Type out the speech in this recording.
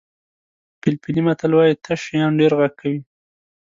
فلیپیني متل وایي تش شیان ډېر غږ کوي.